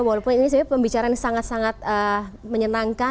walaupun ini sebenarnya pembicaraan yang sangat sangat menyenangkan